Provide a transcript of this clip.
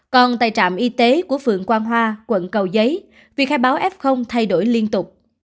còn tại trạm y tế của phượng quang hoa quận cầu giấy việc khai báo f thay đổi liên tục